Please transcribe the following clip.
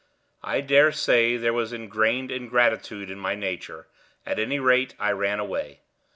I dare say there was ingrained ingratitude in my nature; at any rate, I ran away.